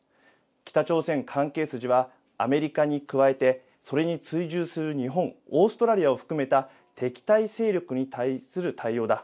北朝鮮関係筋は、アメリカに加えて、それに追従する日本、オーストラリアを含めた敵対勢力に対する対応だ。